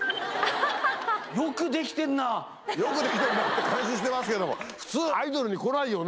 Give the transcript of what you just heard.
「よくできてんな」って感心してますけども普通アイドルに来ないよね。